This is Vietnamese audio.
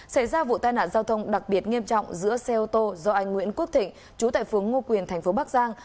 xảy ra vụ tai nạn giao thông đặc biệt nghiêm trọng giữa xe ô tô do anh nguyễn quốc thịnh chú tại phướng ngô quyền thành phố bắc giang